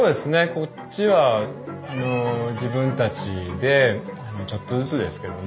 こっちは自分たちでちょっとずつですけどね